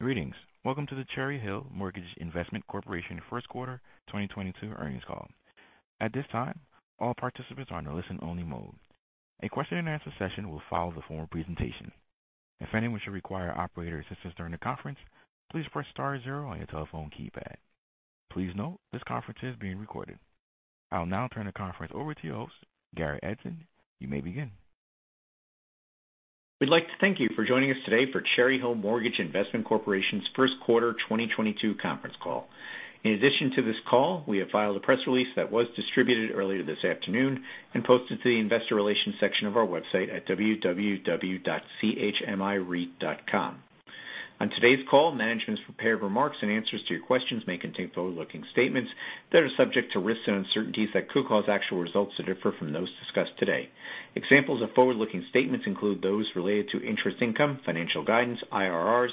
Greetings. Welcome to the Cherry Hill Mortgage Investment Corporation Q1 2022 Earnings Call. At this time, all participants are on a listen only mode. A question and answer session will follow the formal presentation. If anyone should require operator assistance during the conference, please press star zero on your telephone keypad. Please note this conference is being recorded. I'll now turn the conference over to your host, Garrett Edson. You may begin. We'd like to thank you for joining us today for Cherry Hill Mortgage Investment Corporation's Q1 2022 conference call. In addition to this call, we have filed a press release that was distributed earlier this afternoon and posted to the investor relations section of our website at www.chmireit.com. On today's call, management's prepared remarks and answers to your questions may contain forward-looking statements that are subject to risks and uncertainties that could cause actual results to differ from those discussed today. Examples of forward-looking statements include those related to interest income, financial guidance, IRRs,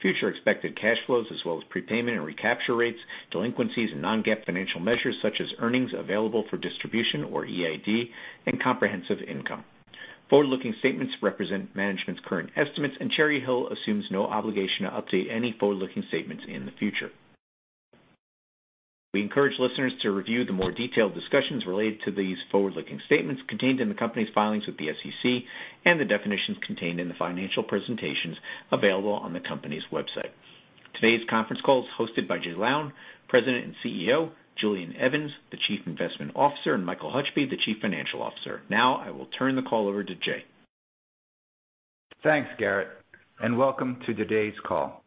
future expected cash flows, as well as prepayment and recapture rates, delinquencies and non-GAAP financial measures such as earnings available for distribution or EAD, and comprehensive income. Forward-looking statements represent management's current estimates, and Cherry Hill assumes no obligation to update any forward-looking statements in the future. We encourage listeners to review the more detailed discussions related to these forward-looking statements contained in the company's filings with the SEC and the definitions contained in the financial presentations available on the company's website. Today's conference call is hosted by Jay Lown, President and CEO, Julian Evans, the Chief Investment Officer, and Michael Hutchby, the Chief Financial Officer. Now I will turn the call over to Jay. Thanks, Garrett, and welcome to today's call.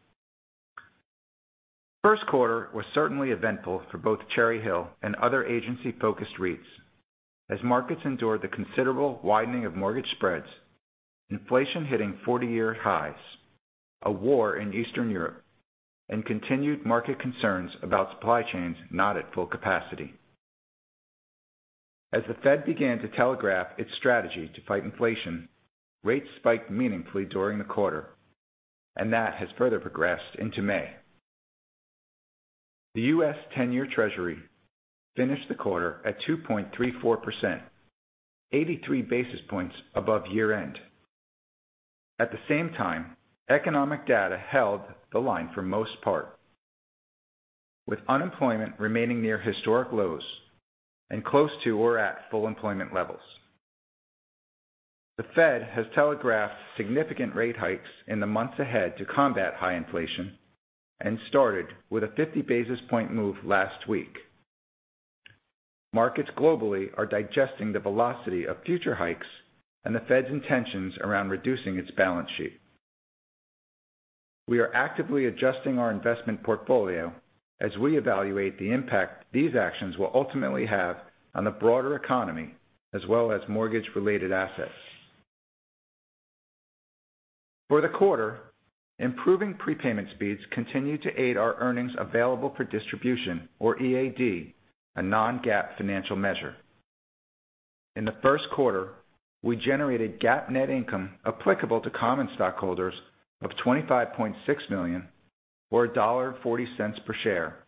First quarter was certainly eventful for both Cherry Hill and other agency-focused REITs as markets endured the considerable widening of mortgage spreads, inflation hitting 40-year highs, a war in Eastern Europe, and continued market concerns about supply chains not at full capacity. As the Fed began to telegraph its strategy to fight inflation, rates spiked meaningfully during the quarter, and that has further progressed into May. The U.S. 10-year Treasury finished the quarter at 2.34%, 83 basis points above year-end. At the same time, economic data held the line for most part, with unemployment remaining near historic lows and close to or at full employment levels. The Fed has telegraphed significant rate hikes in the months ahead to combat high inflation and started with a 50 basis point move last week. Markets globally are digesting the velocity of future hikes and the Fed's intentions around reducing its balance sheet. We are actively adjusting our investment portfolio as we evaluate the impact these actions will ultimately have on the broader economy as well as mortgage-related assets. For the quarter, improving prepayment speeds continued to aid our earnings available for distribution, or EAD, a non-GAAP financial measure. In the Q1, we generated GAAP net income applicable to common stockholders of $25.6 million or $1.40 per share,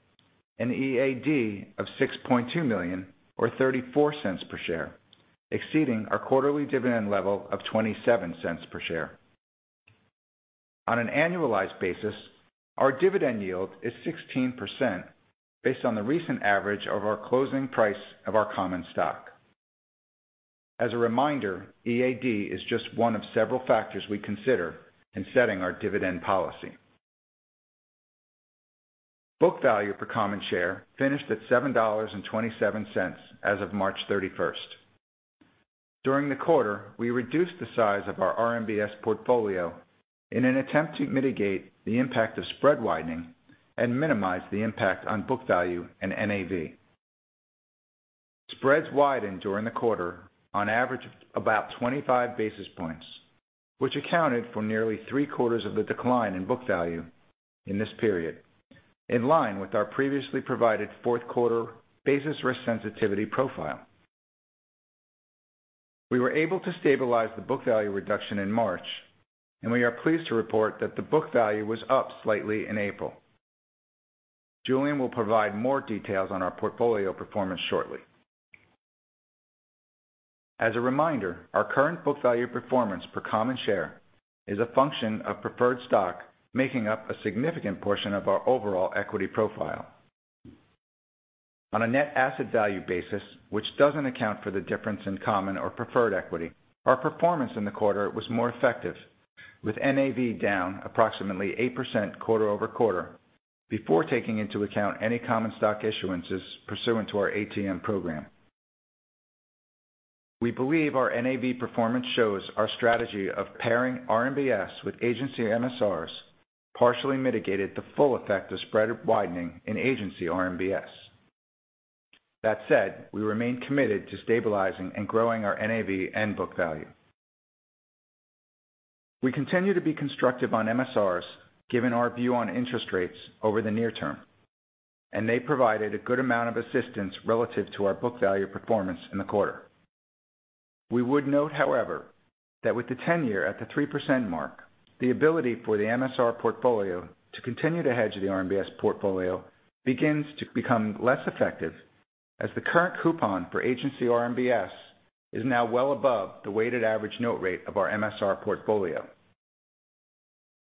and EAD of $6.2 million or $0.34 per share, exceeding our quarterly dividend level of $0.27 per share. On an annualized basis, our dividend yield is 16% based on the recent average of our closing price of our common stock. As a reminder, EAD is just one of several factors we consider in setting our dividend policy. Book value per common share finished at $7.27 as of 31 March 2022. During the quarter, we reduced the size of our RMBS portfolio in an attempt to mitigate the impact of spread widening and minimize the impact on book value and NAV. Spreads widened during the quarter on average of about 25 basis points, which accounted for nearly three-quarters of the decline in book value in this period, in line with our previously provided Q4 basis risk sensitivity profile. We were able to stabilize the book value reduction in March, and we are pleased to report that the book value was up slightly in April. Julian will provide more details on our portfolio performance shortly. As a reminder, our current book value performance per common share is a function of preferred stock, making up a significant portion of our overall equity profile. On a net asset value basis, which doesn't account for the difference in common or preferred equity, our performance in the quarter was more effective, with NAV down approximately 8% quarter-over-quarter before taking into account any common stock issuances pursuant to our ATM program. We believe our NAV performance shows our strategy of pairing RMBS with agency MSRs partially mitigated the full effect of spread widening in agency RMBS. That said, we remain committed to stabilizing and growing our NAV and book value. We continue to be constructive on MSRs given our view on interest rates over the near term, and they provided a good amount of assistance relative to our book value performance in the quarter. We would note, however, that with the 10-year at the 3% mark, the ability for the MSR portfolio to continue to hedge the RMBS portfolio begins to become less effective. As the current coupon for agency RMBS is now well above the weighted average note rate of our MSR portfolio.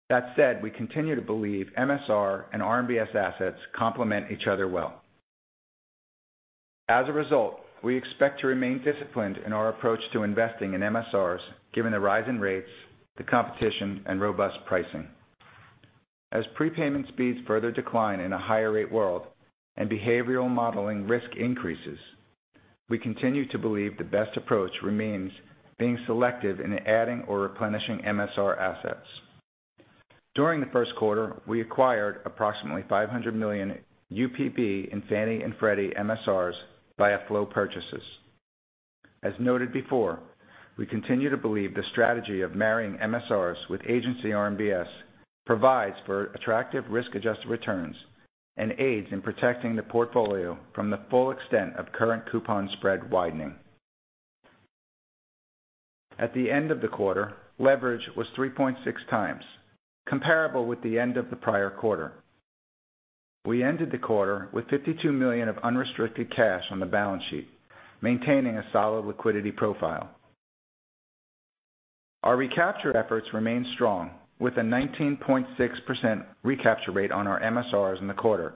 That said, we continue to believe MSR and RMBS assets complement each other well. As a result, we expect to remain disciplined in our approach to investing in MSRs, given the rise in rates, the competition, and robust pricing. As prepayment speeds further decline in a higher rate world and behavioral modeling risk increases, we continue to believe the best approach remains being selective in adding or replenishing MSR assets. During the Q1, we acquired approximately $500 million UPB in Fannie and Freddie MSRs via flow purchases. As noted before, we continue to believe the strategy of marrying MSRs with agency RMBS provides for attractive risk-adjusted returns and aids in protecting the portfolio from the full extent of current coupon spread widening. At the end of the quarter, leverage was 3.6x, comparable with the end of the prior quarter. We ended the quarter with $52 million of unrestricted cash on the balance sheet, maintaining a solid liquidity profile. Our recapture efforts remain strong with a 19.6% recapture rate on our MSRs in the quarter.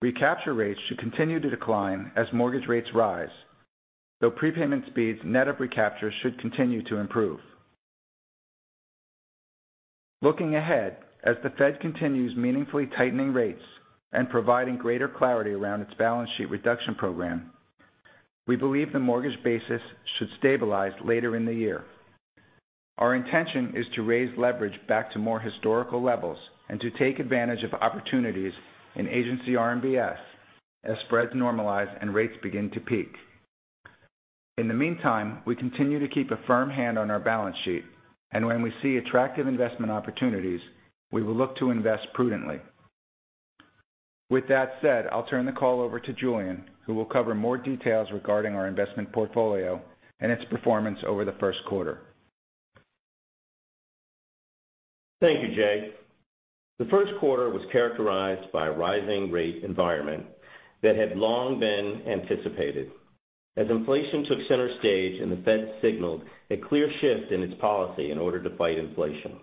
Recapture rates should continue to decline as mortgage rates rise, though prepayment speeds net of recapture should continue to improve. Looking ahead, as the Fed continues meaningfully tightening rates and providing greater clarity around its balance sheet reduction program, we believe the mortgage basis should stabilize later in the year. Our intention is to raise leverage back to more historical levels and to take advantage of opportunities in agency RMBS as spreads normalize and rates begin to peak. In the meantime, we continue to keep a firm hand on our balance sheet, and when we see attractive investment opportunities, we will look to invest prudently. With that said, I'll turn the call over to Julian, who will cover more details regarding our investment portfolio and its performance over the Q1. Thank you, Jay. The Q1 was characterized by a rising rate environment that had long been anticipated. As inflation took center stage and the Fed signaled a clear shift in its policy in order to fight inflation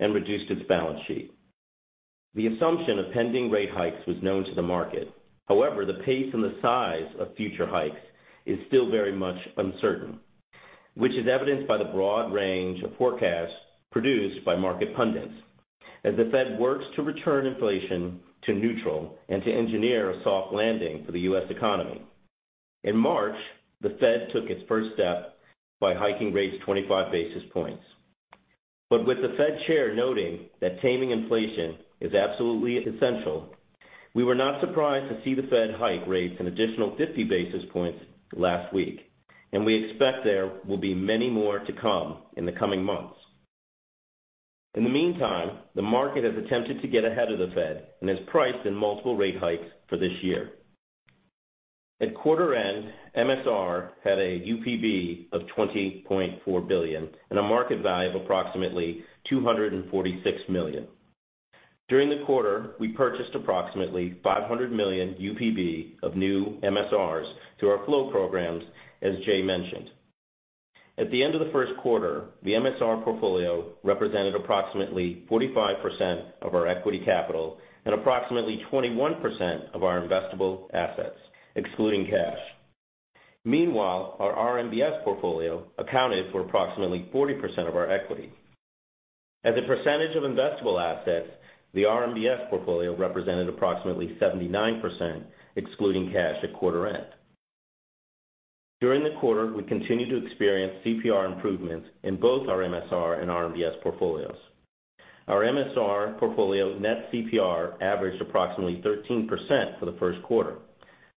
and reduced its balance sheet. The assumption of pending rate hikes was known to the market. However, the pace and the size of future hikes is still very much uncertain, which is evidenced by the broad range of forecasts produced by market pundits as the Fed works to return inflation to neutral and to engineer a soft landing for the U.S. economy. In March, the Fed took its first step by hiking rates 25 basis points. With the Fed Chair noting that taming inflation is absolutely essential, we were not surprised to see the Fed hike rates an additional 50 basis points last week, and we expect there will be many more to come in the coming months. In the meantime, the market has attempted to get ahead of the Fed and has priced in multiple rate hikes for this year. At quarter end, MSR had a UPB of $20.4 billion and a market value of approximately $246 million. During the quarter, we purchased approximately $500 million UPB of new MSRs through our flow programs, as Jay mentioned. At the end of the Q1, the MSR portfolio represented approximately 45% of our equity capital and approximately 21% of our investable assets, excluding cash. Meanwhile, our RMBS portfolio accounted for approximately 40% of our equity. As a percentage of investable assets, the RMBS portfolio represented approximately 79%, excluding cash at quarter end. During the quarter, we continued to experience CPR improvements in both our MSR and RMBS portfolios. Our MSR portfolio net CPR averaged approximately 13% for the Q1,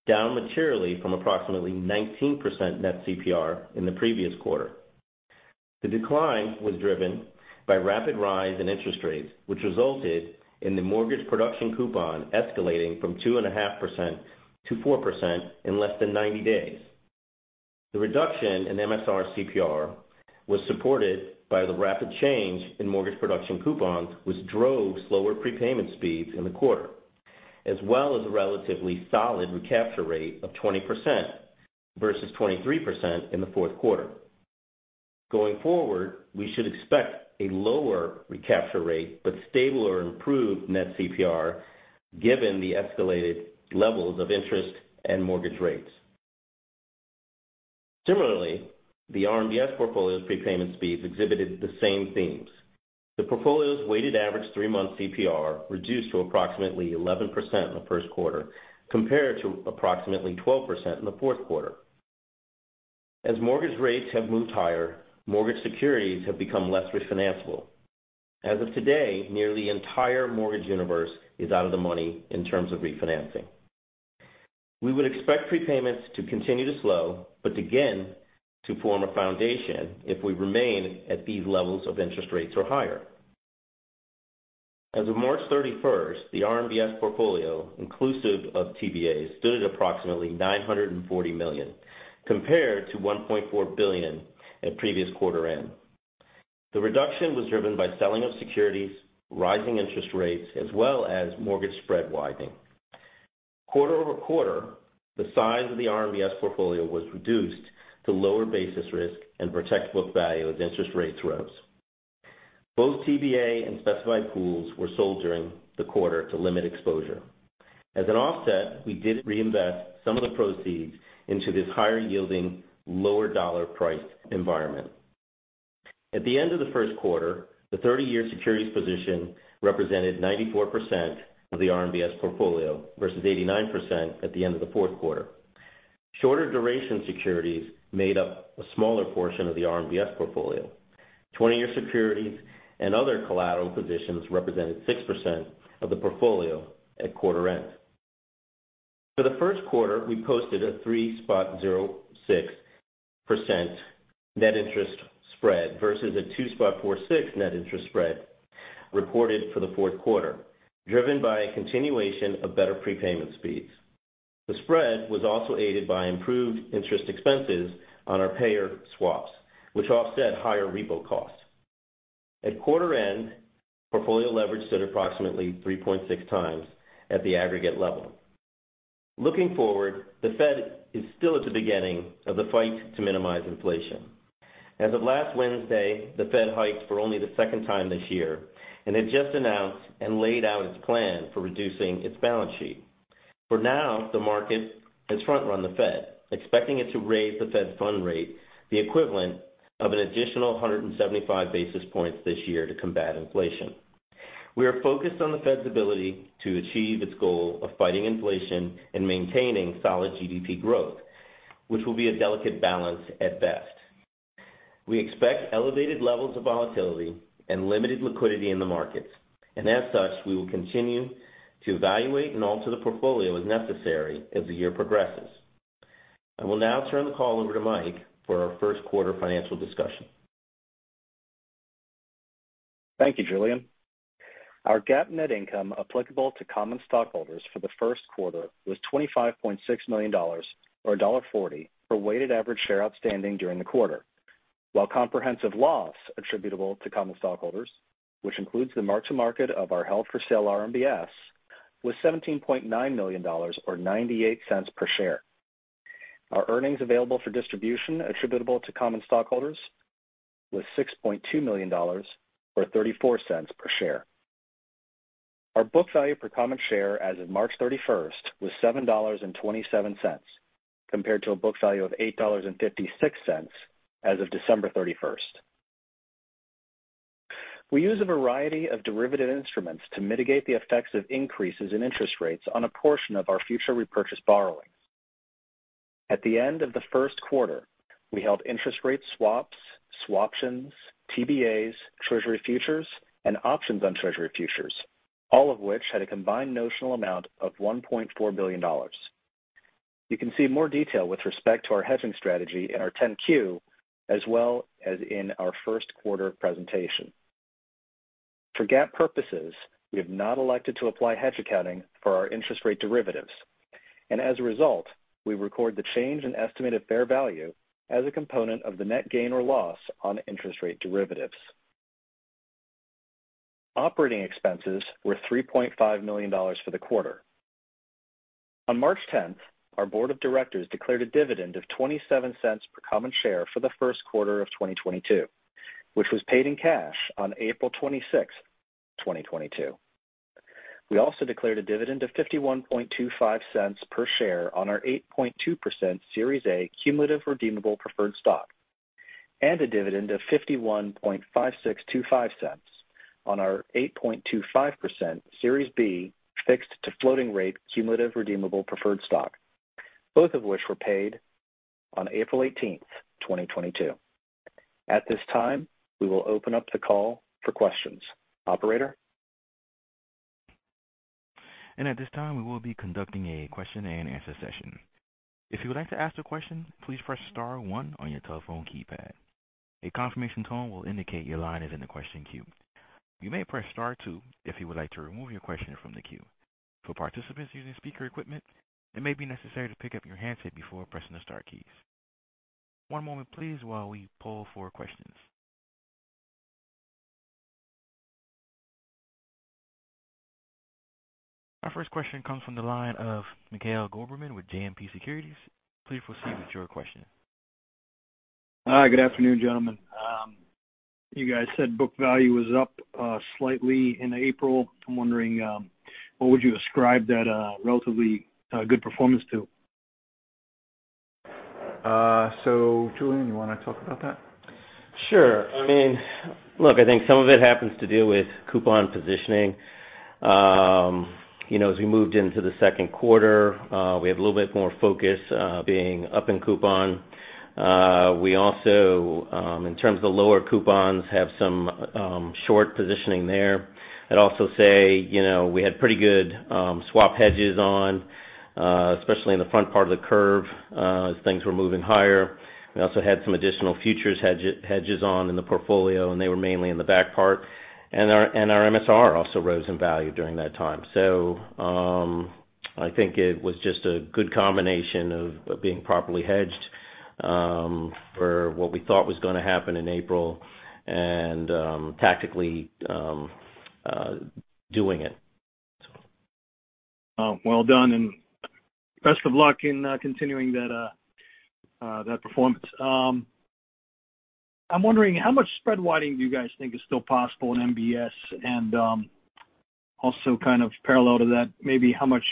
down materially from approximately 19% net CPR in the previous quarter. The decline was driven by rapid rise in interest rates, which resulted in the mortgage production coupon escalating from 2.5%-4% in less than 90 days. The reduction in MSR CPR was supported by the rapid change in mortgage production coupons, which drove slower prepayment speeds in the quarter, as well as a relatively solid recapture rate of 20% versus 23% in the Q4. Going forward, we should expect a lower recapture rate, but stable or improved net CPR given the escalated levels of interest and mortgage rates. Similarly, the RMBS portfolio's prepayment speeds exhibited the same themes. The portfolio's weighted average three-month CPR reduced to approximately 11% in the Q1 compared to approximately 12% in the Q4. As mortgage rates have moved higher, mortgage securities have become less refinanceable. As of today, nearly the entire mortgage universe is out of the money in terms of refinancing. We would expect prepayments to continue to slow, but again, to form a foundation if we remain at these levels of interest rates or higher. As of 31 March 2022, the RMBS portfolio, inclusive of TBAs, stood at approximately $940 million, compared to $1.4 billion at previous quarter end. The reduction was driven by selling of securities, rising interest rates, as well as mortgage spread widening. Quarter-over-quarter, the size of the RMBS portfolio was reduced to lower basis risk and protect book value as interest rates rose. Both TBA and specified pools were sold during the quarter to limit exposure. As an offset, we did reinvest some of the proceeds into this higher yielding, lower dollar priced environment. At the end of the Q1, the 30-year securities position represented 94% of the RMBS portfolio versus 89% at the end of the Q4. Shorter duration securities made up a smaller portion of the RMBS portfolio. 20-year securities and other collateral positions represented 6% of the portfolio at quarter end. For the Q1, we posted a 3.06% net interest spread versus a 2.46% net interest spread reported for the Q4, driven by a continuation of better prepayment speeds. The spread was also aided by improved interest expenses on our payer swaps, which offset higher repo costs. At quarter end, portfolio leverage stood approximately 3.6x at the aggregate level. Looking forward, the Fed is still at the beginning of the fight to minimize inflation. As of last Wednesday, the Fed hiked for only the second time this year and had just announced and laid out its plan for reducing its balance sheet. For now, the market has front run the Fed, expecting it to raise the Fed fund rate, the equivalent of an additional 175 basis points this year to combat inflation. We are focused on the Fed's ability to achieve its goal of fighting inflation and maintaining solid GDP growth, which will be a delicate balance at best. We expect elevated levels of volatility and limited liquidity in the markets. As such, we will continue to evaluate and alter the portfolio as necessary as the year progresses. I will now turn the call over to Mike for our Q1 financial discussion. Thank you, Julian. Our GAAP net income applicable to common stockholders for the Q1 was $25.6 million or $1.40 per weighted average share outstanding during the quarter. Comprehensive loss attributable to common stockholders, which includes the mark to market of our held for sale RMBS, was $17.9 million or $0.98 per share. Our earnings available for distribution attributable to common stockholders was $6.2 million or $0.34 per share. Our book value per common share as of 31 March 2022 was $7.27 compared to a book value of $8.56 as of31 December 2021. We use a variety of derivative instruments to mitigate the effects of increases in interest rates on a portion of our future repurchase borrowing. At the end of the Q1, we held interest rate swaps, swaptions, TBAs, Treasury futures, and options on Treasury futures, all of which had a combined notional amount of $1.4 billion. You can see more detail with respect to our hedging strategy in our 10-Q as well as in our first quarter presentation. For GAAP purposes, we have not elected to apply hedge accounting for our interest rate derivatives, and as a result, we record the change in estimated fair value as a component of the net gain or loss on interest rate derivatives. Operating expenses were $3.5 million for the quarter. On 10 March 2022, our board of directors declared a dividend of $0.27 per common share for the Q1 of 2022, which was paid in cash on 26 April 2022. We also declared a dividend of $0.5125 per share on our 8.20% Series A Cumulative Redeemable Preferred Stock and a dividend of $0.515625 on our 8.250% Series B Fixed-to-Floating Rate Cumulative Redeemable Preferred Stock, both of which were paid on 18 April 2022. At this time, we will open up the call for questions. Operator? At this time, we will be conducting a question and answer session. If you would like to ask a question, please press star one on your telephone keypad. A confirmation tone will indicate your line is in the question queue. You may press star two if you would like to remove your question from the queue. For participants using speaker equipment, it may be necessary to pick up your handset before pressing the star keys. One moment please while we pull for questions. Our first question comes from the line of Mikhail Goberman with JMP Securities. Please proceed with your question. Hi, good afternoon, gentlemen. You guys said book value was up slightly in April. I'm wondering what would you ascribe that relatively good performance to? Julian, you wanna talk about that? Sure. I mean, look, I think some of it happens to deal with coupon positioning. You know, as we moved into the Q2, we have a little bit more focus, being up in coupon. We also, in terms of the lower coupons, have some, short positioning there. I'd also say, you know, we had pretty good, swap hedges on, especially in the front part of the curve, as things were moving higher. We also had some additional futures hedges on in the portfolio, and they were mainly in the back part. Our MSR also rose in value during that time. I think it was just a good combination of being properly hedged, for what we thought was gonna happen in April and, tactically, doing it. Oh, well done and best of luck in continuing that performance. I'm wondering how much spread widening do you guys think is still possible in MBS? Also kind of parallel to that, maybe how much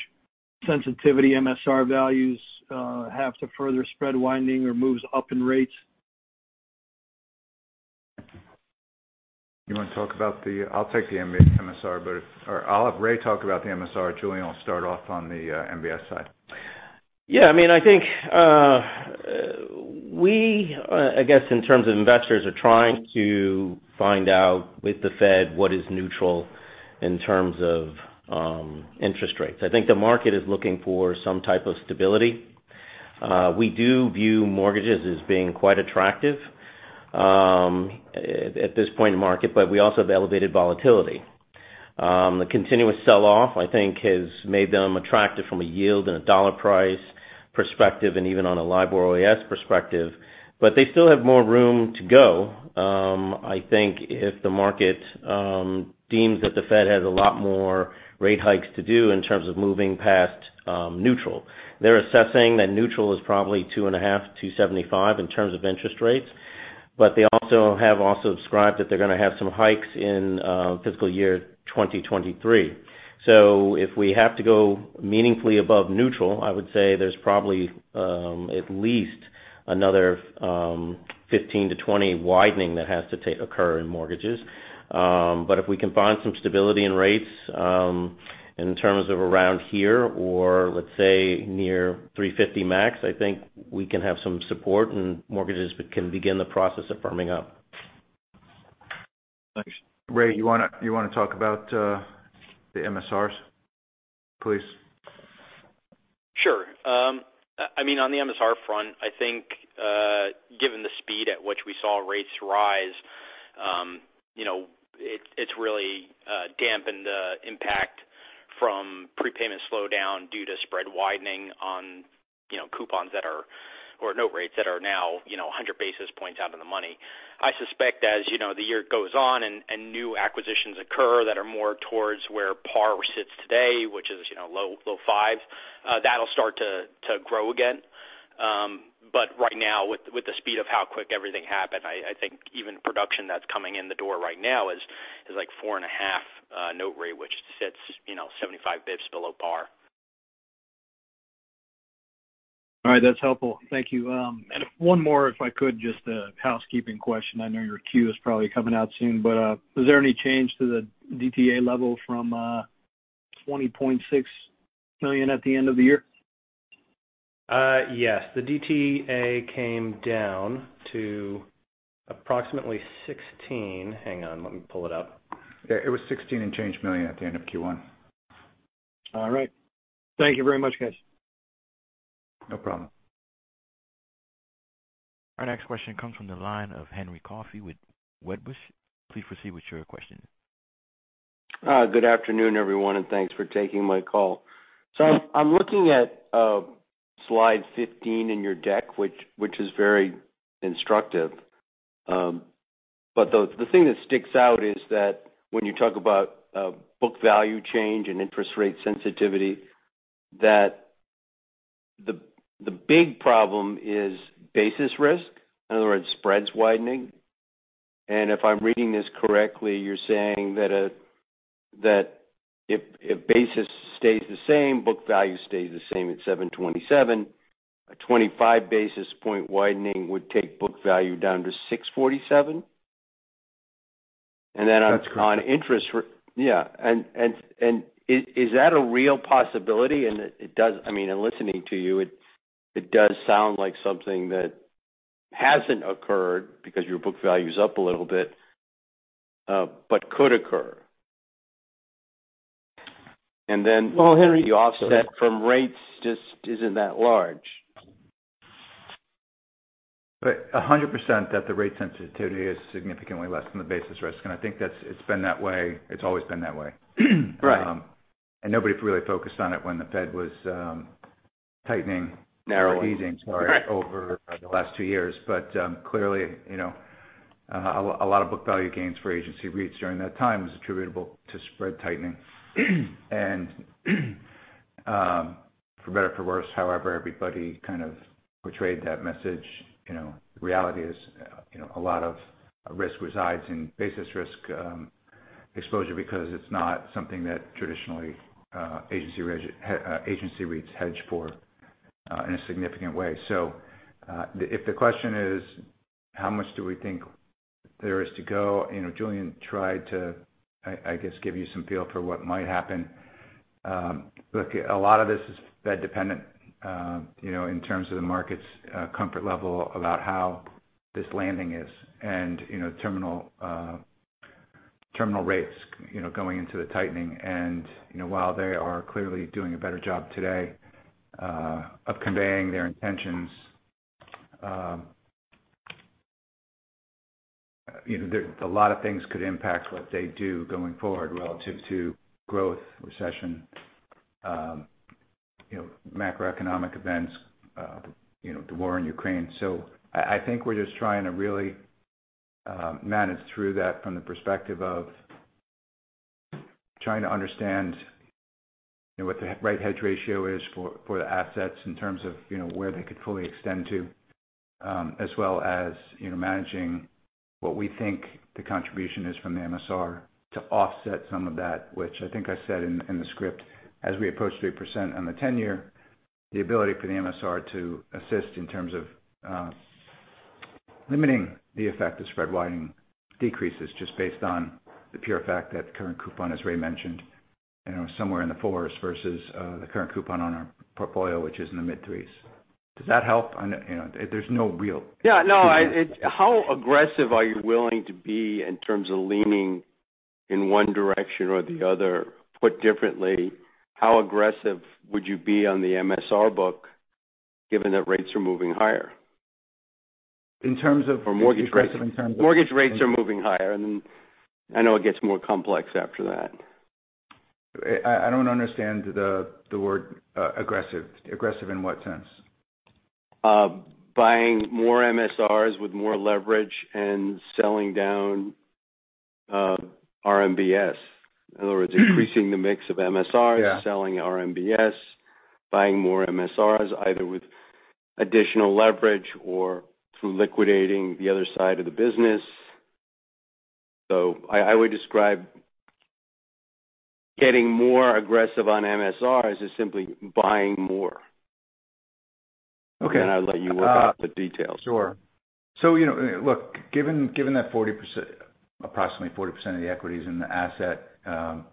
sensitivity MSR values have to further spread widening or moves up in rates. You wanna talk about the MSR, but or I'll have Ray talk about the MSR. Julian will start off on the MBS side. Yeah. I mean, I think, we, I guess, in terms of investors are trying to find out with the Fed what is neutral in terms of, interest rates. I think the market is looking for some type of stability. We do view mortgages as being quite attractive, at this point in market, but we also have elevated volatility. The continuous sell-off, I think has made them attractive from a yield and a dollar price perspective and even on a LIBOR OAS perspective, but they still have more room to go. I think if the market, deems that the Fed has a lot more rate hikes to do in terms of moving past, neutral. They're assessing that neutral is probably 2.5%-2.75% in terms of interest rates, but they also have described that they're gonna have some hikes in fiscal year 2023. If we have to go meaningfully above neutral, I would say there's probably at least another 15%-20% widening that has to occur in mortgages. If we can find some stability in rates in terms of around here or let's say near 3.5% max, I think we can have some support and mortgages can begin the process of firming up. Thanks. Ray, you wanna talk about the MSRs, please? Sure. I mean, on the MSR front, I think, given the speed at which we saw rates rise, you know, it's really dampened the impact from prepayment slowdown due to spread widening on, you know, rates that are now 100 basis points out of the money. I suspect as, you know, the year goes on and new acquisitions occur that are more towards where par sits today, which is, you know, low five, that'll start to grow again. Right now, with the speed of how quick everything happened, I think even production that's coming in the door right now is like 4.5 note rate, which sits, you know, 75 basis points below par. All right. That's helpful. Thank you. One more if I could, just a housekeeping question. I know your 10-Q is probably coming out soon, but is there any change to the DTA level from $20.6 million at the end of the year? Yes. The DTA came down to approximately 16. Hang on. Let me pull it up. It was $16 million and change million at the end of Q1. All right. Thank you very much, guys. No problem. Our next question comes from the line of Henry Coffey with Wedbush. Please proceed with your question. Good afternoon, everyone, and thanks for taking my call. I'm looking at slide 15 in your deck, which is very instructive. The thing that sticks out is that when you talk about book value change and interest rate sensitivity, the big problem is basis risk, in other words, spreads widening. If I'm reading this correctly, you're saying that if basis stays the same, book value stays the same at $7.27. A 25 basis point widening would take book value down to $6.47. Is that a real possibility? It does sound like something that hasn't occurred because your book value is up a little bit, but could occur. Well, Henry. The offset from rates just isn't that large. 100% that the rate sensitivity is significantly less than the basis risk. I think it's been that way. It's always been that way. Right. Nobody's really focused on it when the Fed was tightening. Narrowing. More easing over the last two years. Clearly, you know, a lot of book value gains for agency RMBS during that time was attributable to spread tightening. For better or for worse, however, everybody kind of portrayed that message. You know, reality is, you know, a lot of risk resides in basis risk exposure because it's not something that traditionally agency RMBS hedge for in a significant way. If the question is, how much do we think there is to go? Julian tried to, I guess, give you some feel for what might happen. Look, a lot of this is Fed dependent, you know, in terms of the market's comfort level about how this landing is and, you know, terminal rates, you know, going into the tightening. You know, while they are clearly doing a better job today of conveying their intentions. You know, a lot of things could impact what they do going forward relative to growth, recession, you know, macroeconomic events, you know, the war in Ukraine. I think we're just trying to really manage through that from the perspective of trying to understand, you know, what the right hedge ratio is for the assets in terms of, you know, where they could fully extend to, as well as, you know, managing what we think the contribution is from the MSR to offset some of that, which I think I said in the script, as we approach 3% on the 10-year, the ability for the MSR to assist in terms of limiting the effect of spread widening decreases just based on the pure fact that current coupon, as Ray mentioned, you know, somewhere in the 4s% versus the current coupon on our portfolio, which is in the mid 3s%. Does that help? I, you know, there's no real- It's how aggressive are you willing to be in terms of leaning in one direction or the other? Put differently, how aggressive would you be on the MSR book, given that rates are moving higher? In terms of- Mortgage rates. Aggressive in terms of. Mortgage rates are moving higher, and I know it gets more complex after that. I don't understand the word aggressive. Aggressive in what sense? Buying more MSRs with more leverage and selling down RMBS. In other words, increasing the mix of MSR- Yeah. Selling RMBS, buying more MSRs, either with additional leverage or through liquidating the other side of the business. I would describe getting more aggressive on MSRs as just simply buying more. Okay. I'll let you work out the details. Sure. You know, look, given that 40%, approximately 40% of the equity is in the asset,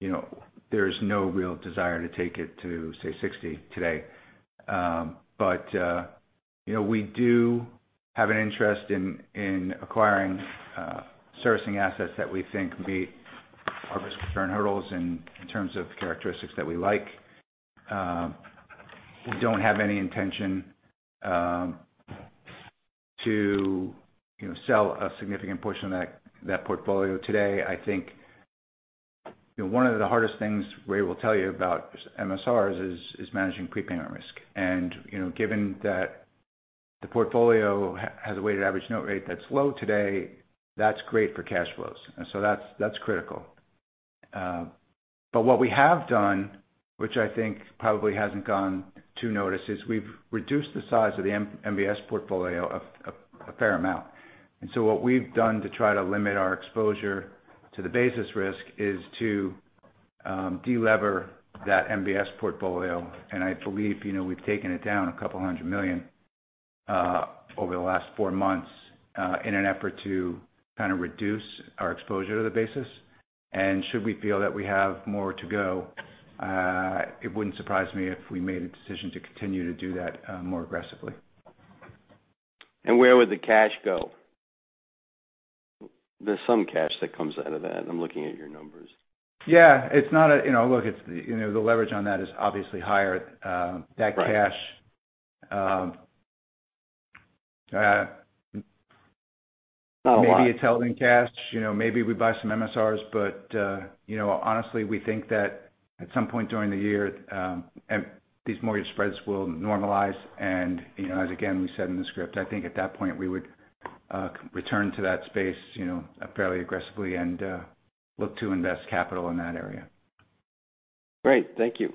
you know, there's no real desire to take it to, say, 60% today. You know, we do have an interest in acquiring servicing assets that we think meet our risk return hurdles in terms of characteristics that we like. We don't have any intention to, you know, sell a significant portion of that portfolio today. I think, you know, one of the hardest things Ray will tell you about MSRs is managing prepayment risk. You know, given that the portfolio has a weighted average note rate that's low today, that's great for cash flows. That's critical. What we have done, which I think probably hasn't gone unnoticed, is we've reduced the size of the MBS portfolio a fair amount. What we've done to try to limit our exposure to the basis risk is to de-lever that MBS portfolio. I believe, you know, we've taken it down $200 million over the last four months in an effort to reduce our exposure to the basis. Should we feel that we have more to go, it wouldn't surprise me if we made a decision to continue to do that more aggressively. Where would the cash go? There's some cash that comes out of that. I'm looking at your numbers. Yeah. You know, look, it's, you know, the leverage on that is obviously higher. Right. That cash. Not a lot. Maybe it's held in cash. You know, maybe we buy some MSRs. You know, honestly, we think that at some point during the year, these mortgage spreads will normalize. You know, as again we said in the script, I think at that point, we would return to that space, you know, fairly aggressively and look to invest capital in that area. Great. Thank you.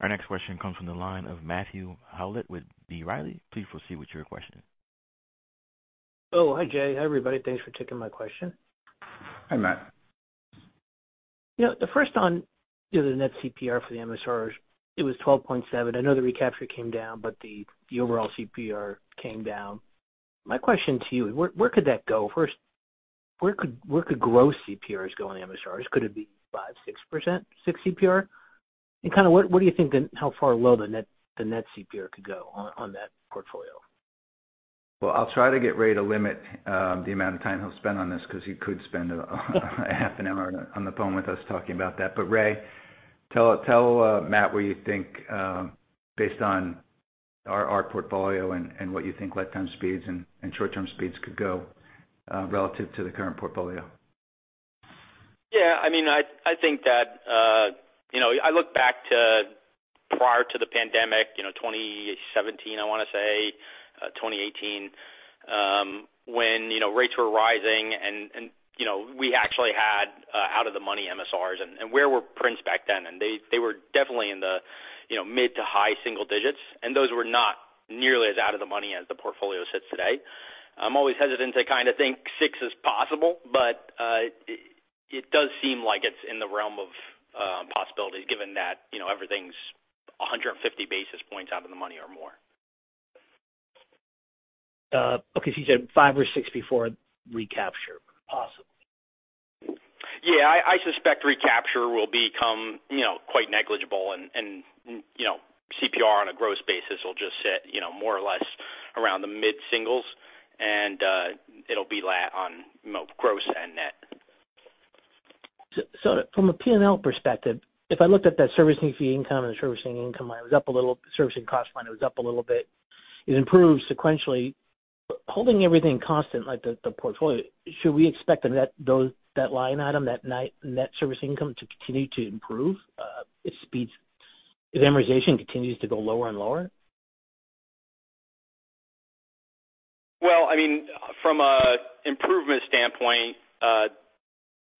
Our next question comes from the line of Matthew Howlett with B. Riley. Please proceed with your question. Oh, hi, Jay. Hi, everybody. Thanks for taking my question. Hi, Matt. Yeah. The first one, the net CPR for the MSRs, it was 12.7%. I know the recapture came down, but the overall CPR came down. My question to you, where could that go from here? Where could gross CPRs go on MSRs? Could it be 5%, 6%, 6% CPR? Kind of what do you think then how low the net CPR could go on that portfolio? Well, I'll try to get Ray to limit the amount of time he'll spend on this because he could spend a half an hour on the phone with us talking about that. Ray, tell Matt where you think based on our portfolio and what you think lifetime speeds and short-term speeds could go relative to the current portfolio. Yeah, I mean, I think that, you know, I look back to prior to the pandemic, you know, 2017, I wanna say, 2018, when, you know, rates were rising and, you know, we actually had out of the money MSRs and where were prints back then? They were definitely in the, you know, mid to high single digits, and those were not nearly as out of the money as the portfolio sits today. I'm always hesitant to kind of think 6% is possible, but it does seem like it's in the realm of possibilities given that, you know, everything's 150 basis points out of the money or more. Okay. You said five or six before recapture possibly. Yeah. I suspect recapture will become, you know, quite negligible and, you know, CPR on a gross basis will just sit, you know, more or less around the mid-singles, and it'll be on gross end. From a P&L perspective, if I looked at that servicing fee income and the servicing income line, it was up a little. Servicing cost line, it was up a little bit. It improved sequentially. Holding everything constant like the portfolio, should we expect that line item, that net service income to continue to improve, if amortization continues to go lower and lower? Well, I mean, from a improvement standpoint,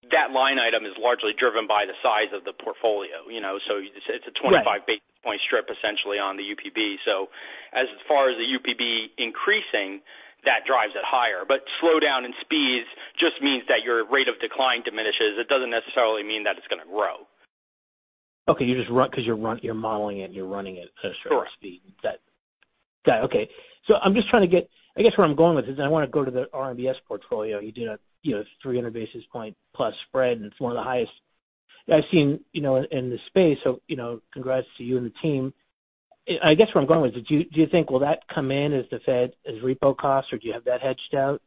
that line item is largely driven by the size of the portfolio. You know, Right. 25 basis point strip essentially on the UPB. As far as the UPB increasing, that drives it higher. Slowdown in speeds just means that your rate of decline diminishes. It doesn't necessarily mean that it's gonna grow. Okay. You're modeling it and you're running it at a certain speed. Sure. I'm just trying to get I guess where I'm going with this, and I wanna go to the RMBS portfolio. You did a you know 300 basis points plus spread, and it's one of the highest I've seen you know in the space. You know congrats to you and the team. I guess where I'm going with this, do you think will that come in as the Fed repo costs, or do you have that hedged out?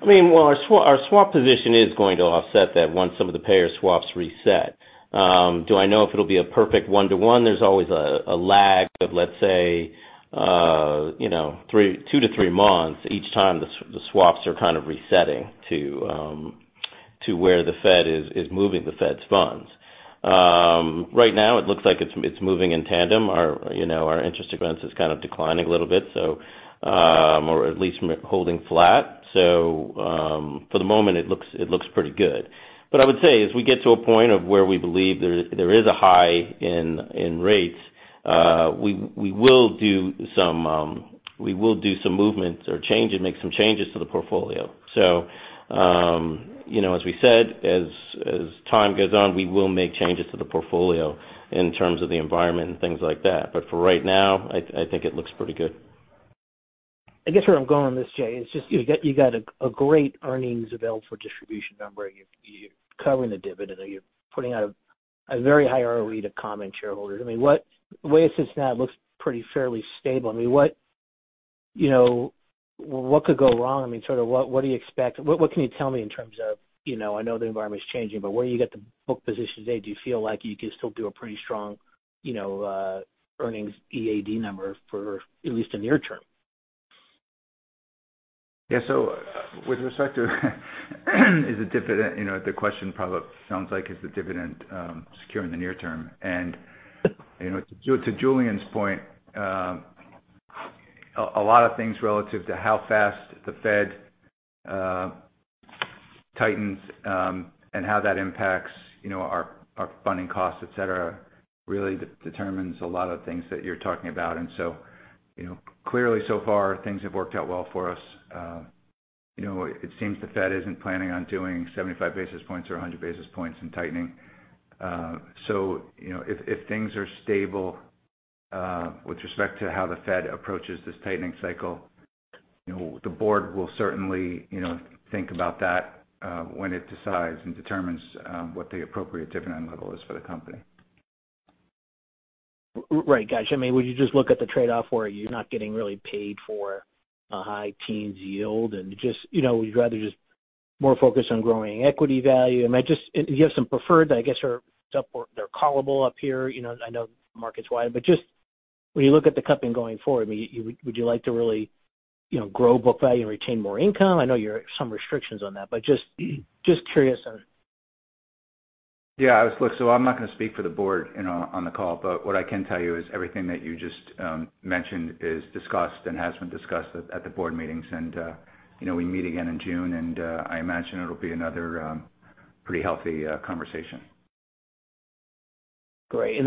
I mean, well our swap position is going to offset that once some of the payer swaps reset. Do I know if it'll be a perfect one-to-one? There's always a lag of, let's say, you know, two to three months each time the swaps are kind of resetting to where the Fed is moving the Fed funds. Right now it looks like it's moving in tandem. Our, you know, our interest expense is kind of declining a little bit, or at least holding flat. For the moment it looks pretty good. I would say, as we get to a point of where we believe there is a high in rates, we will do some movements or change and make some changes to the portfolio. You know, as we said, as time goes on, we will make changes to the portfolio in terms of the environment and things like that. For right now, I think it looks pretty good. I guess where I'm going with this, Jay, it's just you got a great earnings available for distribution number. You're covering the dividend and you're putting out a very high ROE to common shareholders. I mean, what, the way it sits now, it looks pretty fairly stable. I mean, what, you know, what could go wrong? I mean, sort of what do you expect? What can you tell me in terms of, you know, I know the environment is changing, but where you got the book position today, do you feel like you could still do a pretty strong, you know, earnings EAD number for at least the near term? Yeah. With respect to is the dividend, you know, the question probably sounds like, is the dividend, secure in the near term? To Julian's point, a lot of things relative to how fast the Fed tightens and how that impacts, you know, our funding costs, et cetera, really determines a lot of things that you're talking about. Clearly so far things have worked out well for us. It seems the Fed isn't planning on doing 75 basis points or 100 basis points in tightening. If things are stable with respect to how the Fed approaches this tightening cycle, you know, the board will certainly, you know, think about that when it decides and determines what the appropriate dividend level is for the company. Right. Got you. I mean, would you just look at the trade-off where you're not getting really paid for a high teens yield and just, you know, you'd rather just more focused on growing equity value? I mean, just— You have some preferred that I guess are up or they're callable up here, you know, I know markets wide. But just when you look at the company going forward, I mean, would you like to really, you know, grow book value and retain more income? I know there are some restrictions on that, but just curious on it. Yeah. Look, so I'm not gonna speak for the board, you know, on the call, but what I can tell you is everything that you just mentioned is discussed and has been discussed at the board meetings. You know, we meet again in June, and I imagine it'll be another pretty healthy conversation. Great.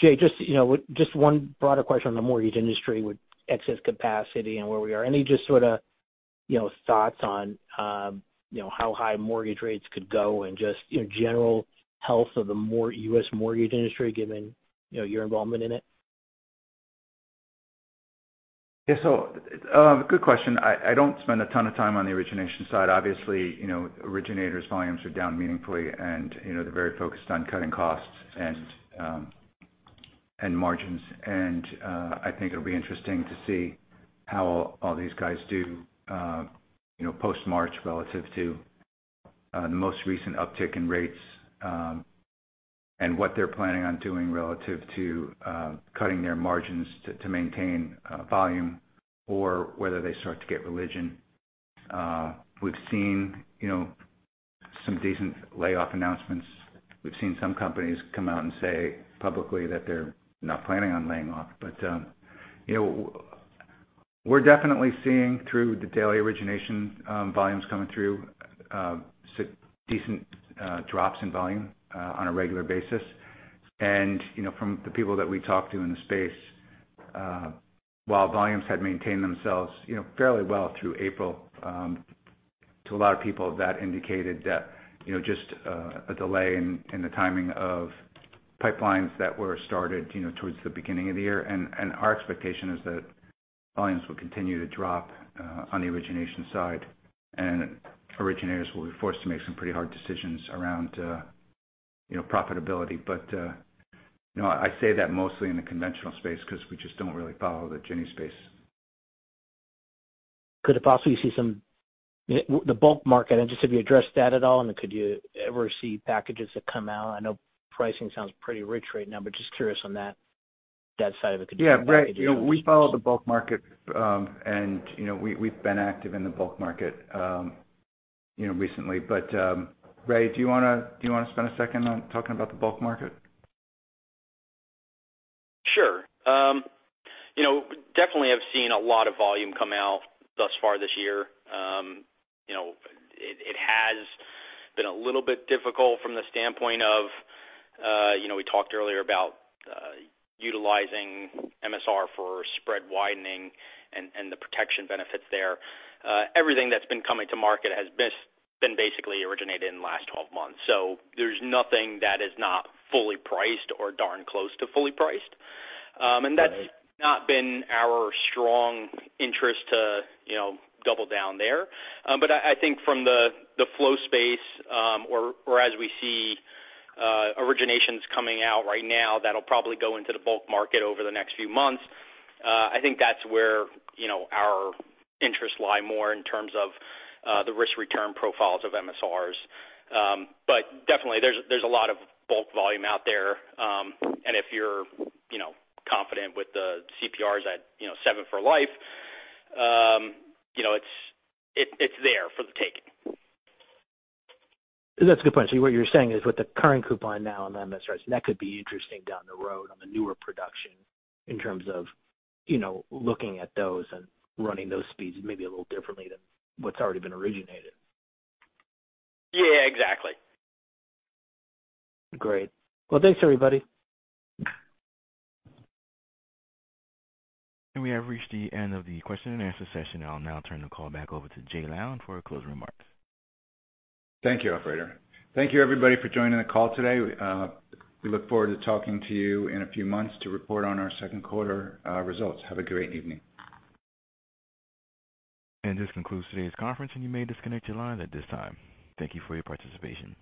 Jay, just, you know, just one broader question on the mortgage industry with excess capacity and where we are. Any just sorta, you know, thoughts on, you know, how high mortgage rates could go and just, you know, general health of the U.S. mortgage industry given, you know, your involvement in it. Yeah. Good question. I don't spend a ton of time on the origination side. Obviously, you know, originators volumes are down meaningfully and, you know, they're very focused on cutting costs and margins. I think it'll be interesting to see how all these guys do, you know, post-March relative to the most recent uptick in rates, and what they're planning on doing relative to cutting their margins to maintain volume or whether they start to get religion. We've seen, you know, some decent layoff announcements. We've seen some companies come out and say publicly that they're not planning on laying off. You know, we're definitely seeing through the daily origination volumes coming through decent drops in volume on a regular basis. You know, from the people that we talk to in the space, while volumes had maintained themselves, you know, fairly well through April, to a lot of people that indicated that, you know, just a delay in the timing of pipelines that were started, you know, towards the beginning of the year. Our expectation is that volumes will continue to drop on the origination side, and originators will be forced to make some pretty hard decisions around, you know, profitability. No, I say that mostly in the conventional space because we just don't really follow the Ginnie Mae space. Could it possibly see the bulk market? I'm just, have you addressed that at all and could you ever see packages that come out? I know pricing sounds pretty rich right now, but just curious on that side of it could- Yeah. Ray, you know, we follow the bulk market, and you know, we've been active in the bulk market, you know, recently. Ray, do you want to spend a second on talking about the bulk market? Sure. You know, definitely I've seen a lot of volume come out thus far this year. You know, it has been a little bit difficult from the standpoint of, you know, we talked earlier about utilizing MSR for spread widening and the protection benefits there. Everything that's been coming to market has been basically originated in the last 12 months. There's nothing that is not fully priced or darn close to fully priced. And that's Right. Hasn't been our strong interest to, you know, double down there. I think from the flow space, or as we see originations coming out right now, that'll probably go into the bulk market over the next few months. I think that's where, you know, our interests lie more in terms of the risk-return profiles of MSRs. Definitely there's a lot of bulk volume out there. If you're, you know, confident with the CPRs at 7% for life, you know, it's there for the taking. That's a good point. What you're saying is with the current coupon now on the MSRs, that could be interesting down the road on the newer production in terms of, you know, looking at those and running those speeds maybe a little differently than what's already been originated. Yeah, exactly. Great. Well, thanks everybody. We have reached the end of the question and answer session. I'll now turn the call back over to Jay Lown for closing remarks. Thank you, operator. Thank you everybody for joining the call today. We look forward to talking to you in a few months to report on our Q2 results. Have a great evening. This concludes today's conference, and you may disconnect your lines at this time. Thank you for your participation.